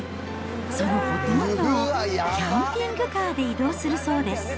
そのほとんどをキャンピングカーで移動するそうです。